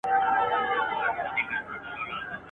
لا ښكارېږي جنايت او فسادونه !.